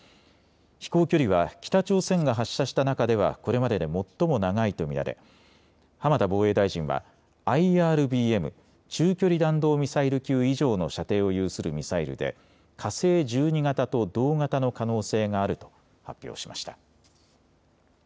飛行距離は北朝鮮が発射した中ではこれまでで最も長いと見られ、浜田防衛大臣はＩＲＢＭ・中距離弾道ミサイル級以上の射程を有するミサイルで火星１２型と同型の可能性があると発表しました。